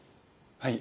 はい。